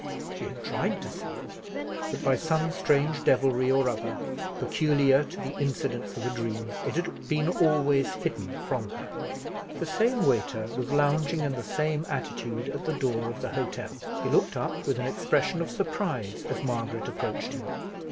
She had tried to see it; but by some strange devilry or other, peculiar to the incidents of a dream, it had been always hidden from her. The same waiter was lounging in the same attitude at the door of the hotel. He looked up with an expression of surprise as Margaret approached him.